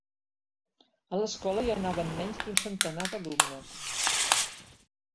A l'escola hi anaven menys d'un centenar d'alumnes.